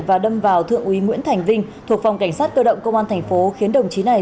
và đâm vào thượng úy nguyễn thành vinh thuộc phòng cảnh sát cơ động công an thành phố khiến đồng chí này